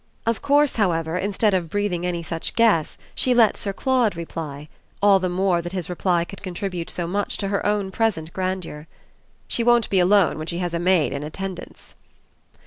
Of course, however, instead of breathing any such guess she let Sir Claude reply; all the more that his reply could contribute so much to her own present grandeur. "She won't be alone when she has a maid in attendance."